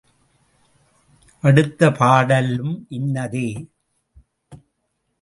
அடுத்த பாடலும் இன்னதே.